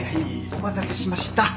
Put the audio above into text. お待たせしました。